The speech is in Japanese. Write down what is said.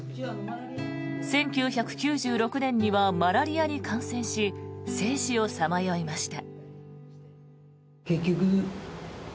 １９９６年にはマラリアに感染し生死をさまよいました。